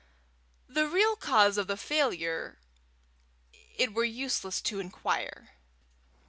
The real cause of the failure it were useless to inquire.